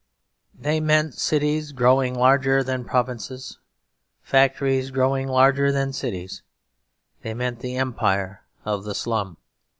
They meant cities growing larger than provinces, factories growing larger than cities; they meant the empire of the slum.